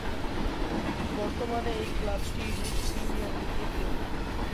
বর্তমানে এই ক্লাবটি রুশ প্রিমিয়ার লীগে খেলে।